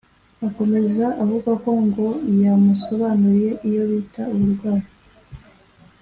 Akomeza avuga ko ngo yamusobanuriye iyo bitaba uburwayi